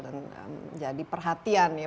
dan menjadi perhatian ya